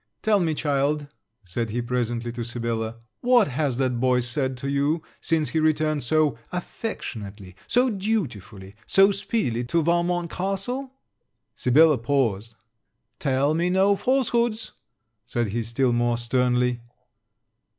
'Tell me, child,' said he presently, to Sibella, 'what has that boy said to you, since he returned so affectionately, so dutifully, so speedily, to Valmont castle?' Sibella paused: 'Tell me no falsehoods,' said he still more sternly.